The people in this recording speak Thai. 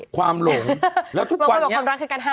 ความหลงแล้วทุกวันนี้บางทีความรักคือการให้